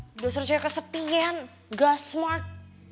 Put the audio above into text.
yah doser cewek kesepian gak smart